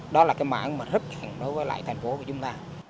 đó là cái mảng mà rất hẳn đối với lại thành phố của chúng ta